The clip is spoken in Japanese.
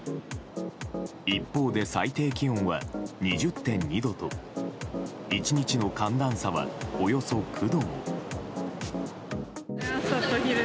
一方で最低気温は２０．２度と１日の寒暖差はおよそ９度も。